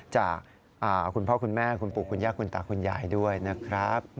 จากคุณพ่อคุณแม่คุณปู่คุณย่าคุณตาคุณยายด้วยนะครับ